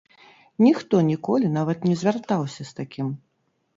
Ніхто ніколі нават не звяртаўся з такім.